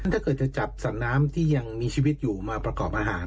ถ้าเกิดจะจับสัตว์น้ำที่ยังมีชีวิตอยู่มาประกอบอาหาร